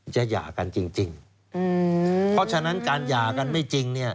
หย่ากันจริงเพราะฉะนั้นการหย่ากันไม่จริงเนี่ย